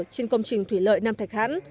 trên công trình thủy lợi nam thành hãn